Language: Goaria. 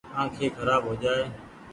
آنکي کرآب هوجآئي ۔